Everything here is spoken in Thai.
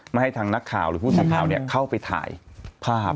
ไม่ให้ทางนักข่าวนะครับเข้าไปถ่ายภาพ